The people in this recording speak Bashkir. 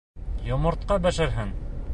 Йомортҡа бешерһәң...